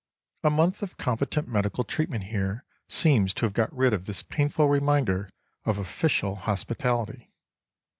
A month of competent medical treatment here seems to have got rid of this painful reminder of official hospitality.